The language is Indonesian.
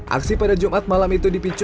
aksi pada jumat malam itu dipicu